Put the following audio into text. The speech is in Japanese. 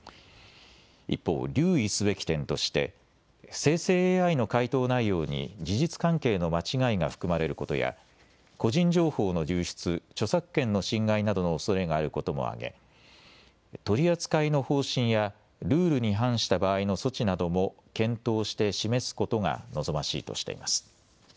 一方、留意すべき点として生成ＡＩの回答内容に事実関係の間違いが含まれることや個人情報の流出、著作権の侵害などのおそれがあることも挙げ取り扱いの方針やルールに反した場合の措置なども検討して示すことが望ましいとしています。